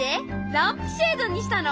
ランプシェードにしたの！